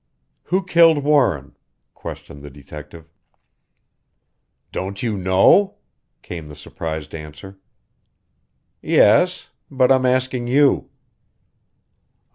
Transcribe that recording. "Who killed Warren?" questioned the detective. "Don't you know?" came the surprised answer. "Yes but I'm asking you."